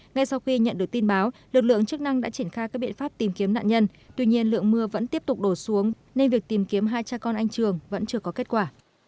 ngay sau khi nhận được tin báo lực lượng chức năng đã triển khai các biện pháp tìm kiếm nạn nhân tuy nhiên lượng mưa vẫn tiếp tục đổ xuống nên việc tìm kiếm hai cha con anh trường vẫn chưa có kết quả